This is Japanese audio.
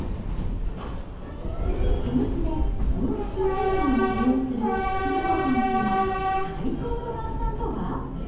豊洲で魚河岸イタリアンを経営するスズ子さんちの最高の晩さんとは？